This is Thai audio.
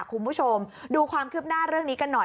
คุณผู้ชมดูความคืบหน้าเรื่องนี้กันหน่อย